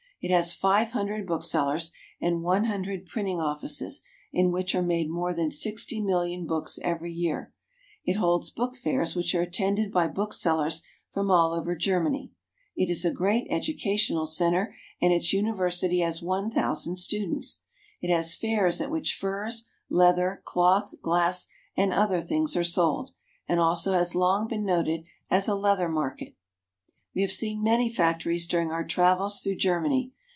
It has five hundred booksellers and one hundred printing offices, in which are made more than sixty million books every year. It holds book fairs which are attended by booksellers from all over Germany. It is a great educational center and its' univer sity has one thousand students. It has fairs at which furs, leather, cloth, glass, and other things, are sold, and also has long been noted as a leather market. We have seen many factories during our travels through Germany.